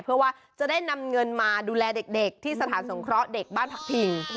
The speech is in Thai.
เพื่อว่าจะได้นำเงินมาดูแลเด็กที่สถานสงเคราะห์เด็กบ้านพักพิง